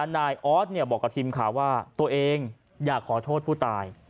นายออสบอกกับทีมข่าวว่าตัวเองอยากขอโทษผู้ตาย